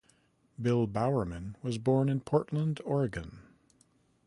Bill Bowerman was born in Portland, Oregon.